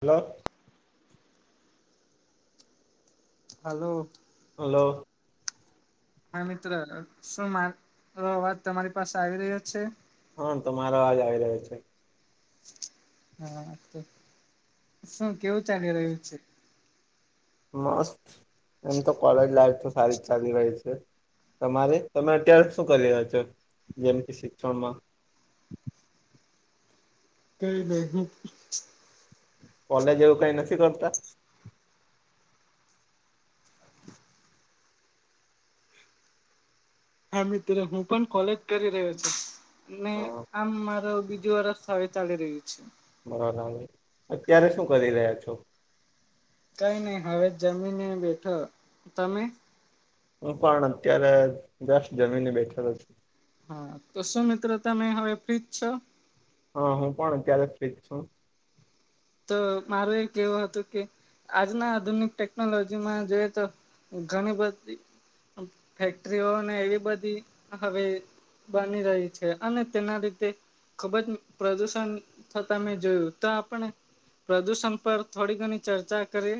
Hello. Hello. Hello. હા મિત્ર શું મારો અવાજ તમારી પાસે આવી રહ્યો છે? હા તમારો આવાજ આવી રહ્યો છે. હા તો શું કેવું ચાલી રહ્યું છે. મસ્ત, એમ તો કોલેજ લાઈફ તો સારી જ ચાલી રહી છે. તમારે તમે અત્યારે શું કરી રહ્યા છો જેમ કે શિક્ષણમાં? કઈ નહી. કોલેજ એવું કંઈ નથી કરતા? હા મિત્ર હું પણ કોલેજ કરી રહ્યો છું. ને હા આમ મારા બીજું વરસ હવે ચાલી રહ્યું છે. બરાબર, અત્યારે શું કરી રહ્યા છો? કઈ નહી હવે જમીને બેઠો તમે? હું પણ અત્યારે જસ્ટ જમીને બેઠેલો છું. હા તો શું મિત્ર તમે હવે ફ્ર્રી જ છો? હા હું પણ અત્યારે ફ્રી જ છું. તો મારે એ કેવું હતું કે આજના આધુનિક ટેકનોલોજીમાં જોઈએ તો ઘણી બધી ફેક્ટરીઓ ને એવી બધી હવે બની રહી છે અને તેના લીધે ખુબ જ પ્રદુષણ થતા મેં જોયું તો આપણે પ્રદૂષણ પર થોડી ઘણી ચર્ચા કરીએ?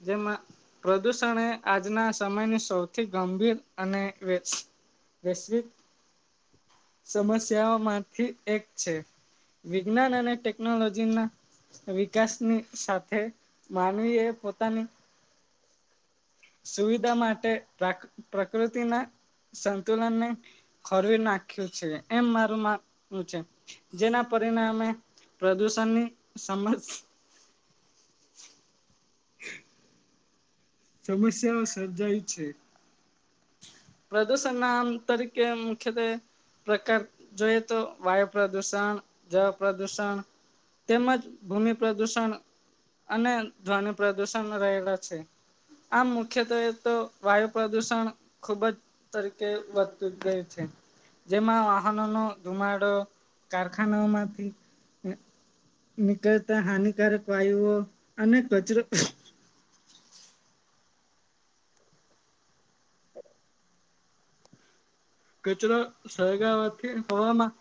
જેમાં પ્રદૂષણ એ આજના સમયની સૌથી ગંભીર અને વે વૈશ્વિક સમસ્યાઓમાંથી એક છે. વિજ્ઞાન અને ટેકનોલોજી ના વિકાસની સાથે માનવી એ પોતાની સુવિધા માટે પ્રા પ્રકૃતિના સંતુલનને ખોરવી નાખ્યું છે એમ મારું માનવું છે. જેના પરિણામે પ્રદુષણની સમસ્ સમસ્યાઓ સર્જાય છે. પ્રદુર્શના આમ તરીકે મુખ્યતે પ્રકાર જોઈએ તો વાયુ પ્રદુષણ, જળ પ્રદુષણ. તેમજ ભૂમિ પ્રદુષણ અને ધ્વનિ પ્રદૂષણ રહેલા છે. આમ મુખ્યત્વે તયે તો વાયુ પ્રદૂષણ ખુબ જ તરીકે વધતું જાય છે. જેમાં વાહનોનો ધુમાડો, કારખાનાઓમાંથી નીકળતા હાનિકારક વાયુઓ અને કચરો કચરો સળગાવાથી હવામાં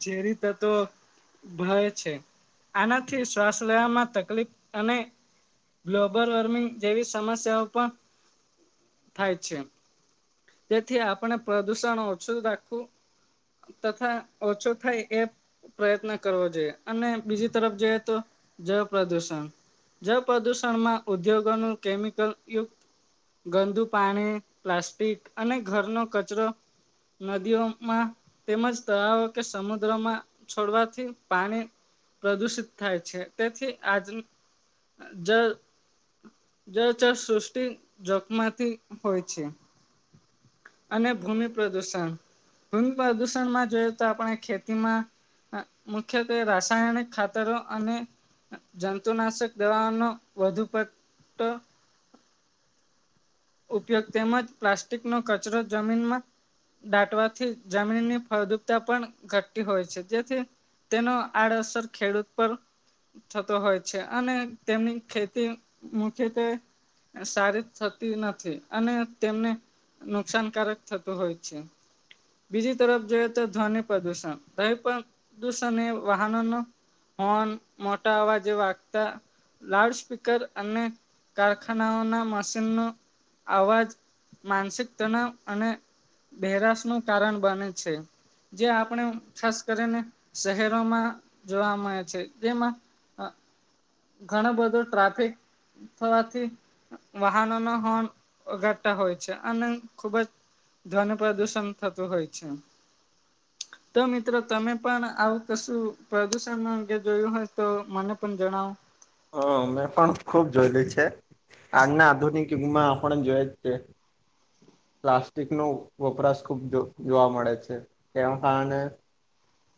ઝેરી તત્વ ભવે છે. આનાથી શ્વાસ લેવામાં તકલીફ અને ગ્લોબલ વોર્મિંગ જેવી સમસ્યાઓ પણ થાય છે. તેથી આપણે પ્રદૂષણ ઓછું રાખવુ તથા ઓછો થાય એ પ્રયત્ન કરવો જોઈએ અને બીજી તરફ જઈએ તો જળ પ્રદુષણ. જણ પ્રદૂષણમાં ઉદ્યોગોનું કેમિકલ યુક્ત ગંદુ પાણી પ્લાસ્ટિક અને ઘરનો કચરો નદીઓમાં તેમજ તો કે સમુદ્રમાં છોડવાથી પાણી પ્રદુષિત થાય છે. તેથી આજનું જ જ [unintelligible] સૃષ્ટિ જોકમાંથી હોય છે. અને ભૂમિ પ્રદુષણ. ભૂમિ પ્રદુષણમાં જોઈએ તો આપણે ખેતીમાં મુખ્યત્વે રાસાયણિક ખાતરો અને જંતુનાશક દવાનો વધુ પતક ઉપયોગ તેમજ પ્લાસ્ટિકનો કચરો જમીનમાં દાટવાથી જમીનની ફળદુપતા પણ ઘટતી હોય છે. જેથી તેનો આયડેસર ખેડૂત પર થતો હોય છે અને તેમની ખેતી મુખ્યતે સારી નથી અને તેમને નુકસાનકારક થતું હોય છે. બીજી તરફ જોઈએ તો ધ્વનિ પ્રદુષણ [unintelligible] પ્રદૂષણ એ વાહનો ફોન મોટા અવાજે વાગતા લાઉડ સ્પીકર અને કારખાનાઓના મશીનનો આવાજ માનસિક તનાવ અને બહેરાશનું કારણ બને છે. જે આપણે ખાસ કરીને શહેરોમાં જોવા મળે છે. જેમાં ઘણો બધો ટ્રાફિક થવાથી વાહનો નો હોન વગાડતા હોય છે અને ખૂબ જ ધ્વનિ પ્રદુષણ થતું હોય છે. તો મિત્રો તમે પણ આવું કશું પ્રદુષણ અંગે જોયું હોય તો મને પણ જણાવો. હ મેં પણ ખુબ જોયેલી છે આજના આધુનિક યુગમાં આપણ જોય જ છે. પ્લાસ્ટિકનો વપરાશ ખૂબ જો જોવા મળે છે. [unintelligible]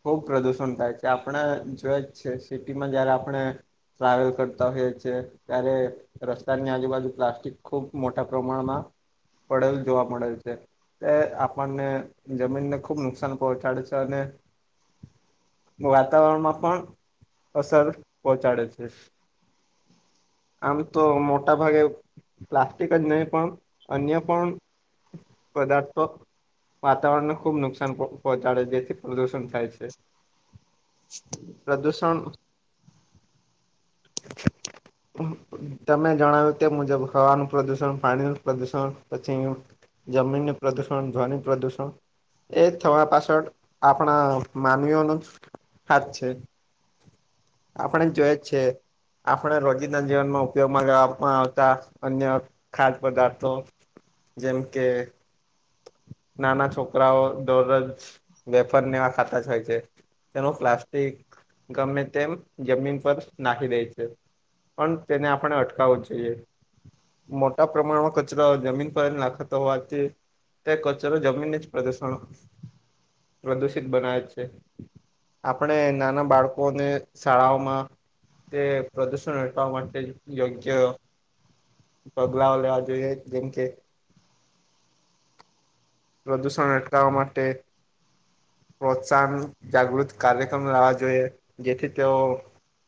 ખુબ પ્રદુષણ થાય છે. આપણે જોઈ જ છે સિટીમાં જયારે આપણે ટ્રાવેલ કરતા હોઈએ છીએ ત્યારે રસ્તાની આજુબાજુ પ્લાસ્ટિક ખુબ મોટા પ્રમાણમાં પડેલ જોવા મળેલ છે. એ આપણને જમીનને ખુબ નુકસાન પહોંચાડે છે અને વાતાવરણમાં પણ અસર પહોંચાડે છે. આમ તો મોટા ભાગે પ્લાસ્ટિક જ નહી પણ અન્ય પણ પદાર્થો વાતાવરણને ખુબ નુકસાન પ પહોંચાડે જેથી પ્રદુષણ થાય છે. [inaudible] [unintelligible] પ્રદૂષણ [unintelligible] તમે જણાવ્યું તે મુજબ હવાનું પ્રદુષણ, પાણીનું પ્રદુષણ પછી જમીન નુ પ્રદુષણ ધ્વનિ પ્રદુષણ એ થવા પાછળ આપણા. માનવીઓ નો હાત છે. આપણે જોય છે. આપણે રોજિંદ જીવનમાં ઉપયોગમાં લવામાં આવતા અન્ય ખાદ્ય પદાર્થો જેમ કે નાના છોકરાઓ દોરજ વેફાર નેવા ખાતા તેનો પ્લાસ્ટિક ગમે તેમ જમીન પર નાખી દે છે. પણ તેને આપણે અટકાવવું જોઈએ. મોટા પ્રમાણમાં કચરો જમીન પર નાખતા હોવાથી તે કચરો જમીન જ પ્રદુષણ પ્રદુષિત બનાવે છે. આપણે નાના બાળકોને શાળાઓમાં તે પ્રદુષણ અટકાવા માટે યોગ્ય પગલાઓ લેવા જોઈએ જેમ કે. પ્રદૂષણ અટકાવવા માટે. સાન જાગૃત કાર્યક્રમ લાવવા જોઈએ જેથી તેઓ.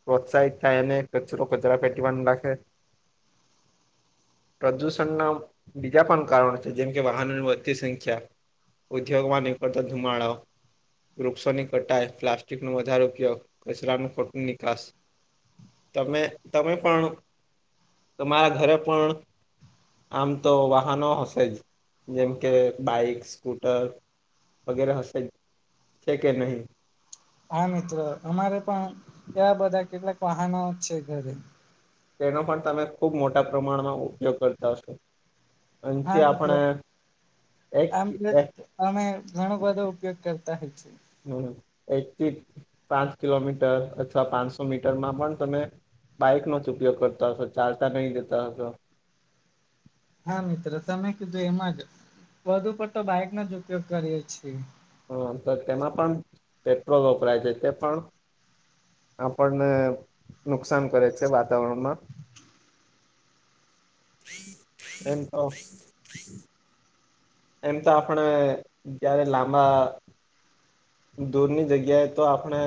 પ્રોત્સાહિત થાય એને કચરો કચરા પેટીવાનું નાખે. પ્રદૂષણના બીજા પણ કારણો છે જેમ કે વાહનોની વધતી સંખ્યા. ઉદ્યોગ માં નિકળતા ધુમાડા ઓ. વૃક્ષોની કટાઈ પ્લાસ્ટિક નો વધારે ઉપયોગ કચરાનું ખોટું નિકાસ. તમે તમે પણ તમારા ઘરે પણ. આમ તો વાહનો હશે જ જેમ કે બાઈક સ્કૂટર. વગેરે હશે જ છે કે નહી. હા મિત્રો અમારે પણ એવા બધા કેટલાક વાહનો છે ઘરે. તેનો પણ તમે ખુબ મોટા પ્રમાણમાં ઉપયોગ કરતા હશો. હા અહીથી મિત્ર આપણે એક આમ એક. અમે ઘણો બધો ઉપયોગ કરતા હોયે છીએ. હમ્મ એક થી પાંચ કિલોમીટર અથવા પાંચસો મીટરમાં પણ તમે. બાઈક નો જ ઉપયોગ કરતા હશો ચાલતા નહી જતા હશો. હા મિત્ર તમે કીધું એમ જ વધુ પર તો બાઇકનો જ ઉપયોગ કરીએ છીએ. હા તો તેમા પણ પેટ્રોલ વાપરાય છે તે પણ. આપણને નુકસાન કરે છે વાતાવરણમાં. એમ એમ તો આપણે જયારે લાંબા. દૂરની જગ્યાએ તો આપણે.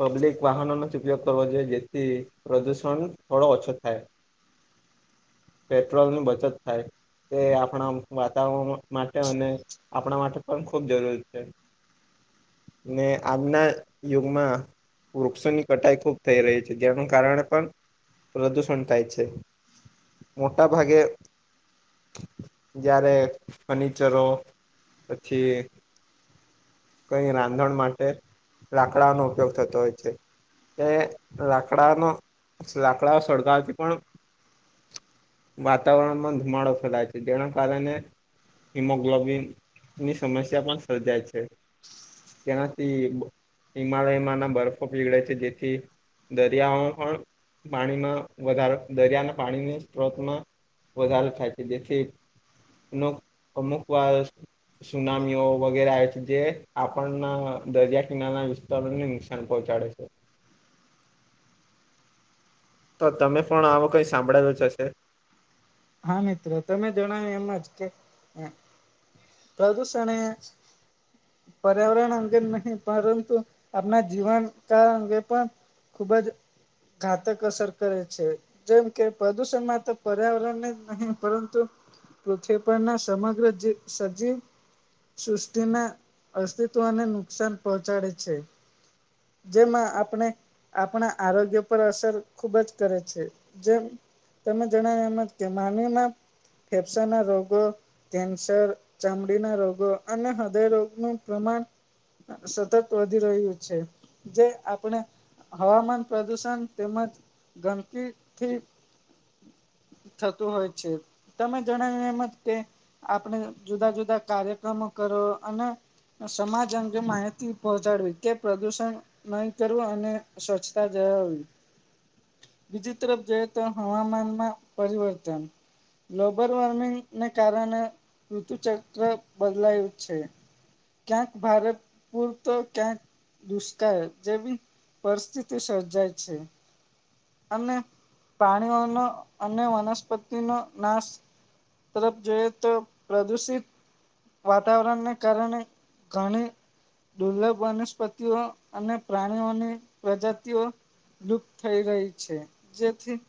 પબ્લિક વાહન નથી ઉપયોગ કરવો જો જેથી પ્રદૂષણ થોડો ઓછો થાય. પેટ્રોલ ની બચત થાય તે આપણા વાતાવરણ માટે અને આપણા માટે પણ ખુબ જરૂરી છે. ને આજના યુગમાં. વૃક્ષોની કટાઈ ખૂબ થઈ રહી છે જેનું કારણે પણ પ્રદુષણ થાય છે. મોટા ભાગે. જયારે ફર્નિચરો પછી. કઈ રાંધણ માટે લાકડાનો ઉપયોગ થતો હોય છે. તે લાકડાનો લાકડાઓ સળગાવથી પણ. વાતાવરણમાં ધુમાડો ફેલાય છે જેના કારણે. હિમોગ્લોબિનની સમસ્યા પણ સર્જાય છે. તેનાથી હિમાલયમાંના બરફો પીગળે છે જેથી. દરિયામાં પણ પાણીમાં વધારો દરિયાના પાણીને સ્ત્રોતમાં. વધારો થાઈ છે પછી અમુક અમુક વાર સુનામીઓ વગેરે આવે છે જે. આપણના દરિયા કિનારાના વિસ્તારોને નુકસાન પહોંચાડે છે. તો તમે પણ આવો કઈ સાંભડેલું હશે. હા મિત્ર તમે જણાવ્યું એમ જ કે. પ્રદુષણે પર્યાવરણ અંગે નહીં પરંતુ આપણા જીવનકાળ અંગે પણ. ખુબ જ ઘાતક અસર કરે છે જેમ કે પ્રદુષણમાં તો પર્યાવરણ. નહી પરંતુ પૃથ્વી પરના સમગ્ર સજીવ. સૃષ્ટિના અસ્તિત્વને નુકસાન પહોંચાડે છે. જેમાં આપણે આપણા આરોગ્ય પર અસર ખુબ જ કરે છે જેમ. તમે જણાયવુ એમ જ કે માનવીમાં ફેફસાના રોગો. કેન્સર ચામડીના રોગો અને હૃદય રોગનું પ્રમાણ. સતત વધી રહ્યું છે. જે આપણે હવામાન પ્રદુષણ તેમજ ગંધકી થી થતું હોય છે તમે જણાવ્યું એમ જ કે આપણે જુદા જુદા કાર્યક્રમો કરો અને. સમાજ અંગે માહિતી પહોંચાડવી કે પ્રદુષણ. નહી કરવું અને સ્વચ્છતા જવાવી. બીજી તરફ જઈએ તો હવામાનમાં પરિવર્તન. ગ્લોબલ વોર્મિંગને કારણે ઋતુચક્ર બદલાયું છે. ક્યાંક ભારે પૂર તો ક્યાંક દુશ ત્યારે જેવી પરિસ્થિતિ સર્જાય છે. અને પ્રાણીઓનો અને વનસ્પતિનો નાશ તરફ જોએ તો પ્રદૂષિત વાતાવરણને કારણે ઘણી દુર્લભ વનસ્પતિઓ અને પ્રાણીઓની પ્રજાતિઓ લુપ્ત થઈ રહી છે, જેથી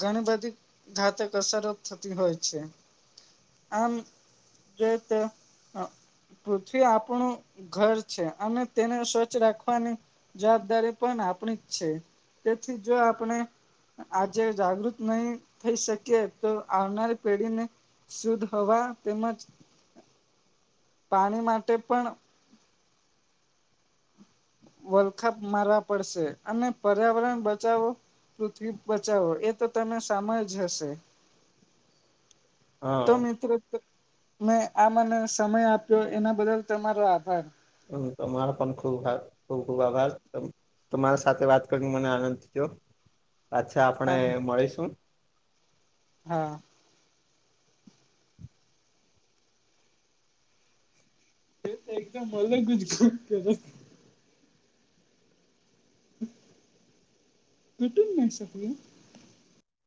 ઘણી બધી ઘાતક અસરો થતી હોય છે, આમ જે તે હા. પૃથ્વી આપણું ઘર છે, અને તેને સ્વચ્છ રાખવાની જવાબદારી પણ આપણી જ છે, તેથી જો આપણે આજે જાગૃત નહી થઈ શકે તો આવનારી પેઢીને શુદ્ધ હવા તેમજ પાણી માટે પણ વલખા મારવા પડશે અને પર્યાવરણ બચાવો પૃથ્વી બચાવો એ તો તમે સામળ્યું જ હશે. તો હા મિત્રો મેં આ મને સમય આપ્યો એના બદલ તમારો આભાર. તમાર પણ ખૂબાાર ખૂબ ખૂબ આભાર તમે તમારા સાથે વાત કરીને મને આનંદ થયો પાછા આપણે હા મળીશું. હા. [unintelligible] ઘટન ના સકું.